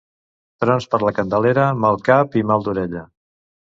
Trons per la Candelera, mal de cap i mal d'orella.